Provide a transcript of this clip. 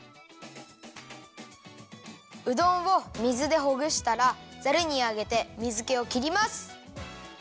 うどんを水でほぐしたらざるにあげて水けをきります！